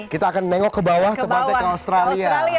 kita akan menengok ke bawah tempatnya ke australia